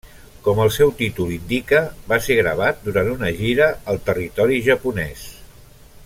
Com el seu títol indica, va ser gravat durant una gira al territori japonès.